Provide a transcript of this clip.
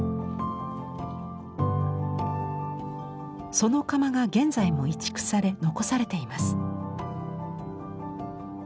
その窯が現在も移築され残されています。